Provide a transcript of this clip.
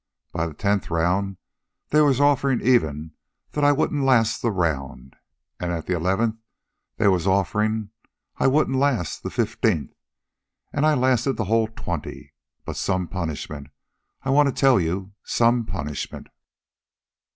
By the tenth round they was offerin' even that I wouldn't last the round. At the eleventh they was offerin' I wouldn't last the fifteenth. An' I lasted the whole twenty. But some punishment, I want to tell you, some punishment.